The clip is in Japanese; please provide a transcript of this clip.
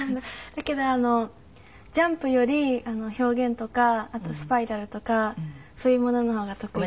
だけどジャンプより表現とかあとスパイラルとかそういうものの方が得意です。